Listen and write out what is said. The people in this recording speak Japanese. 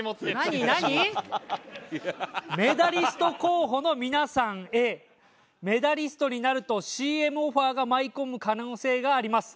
「メダリスト候補の皆さんへ」「メダリストになるとＣＭオファーが舞い込む可能性があります」